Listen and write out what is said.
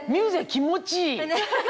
気持ちいい。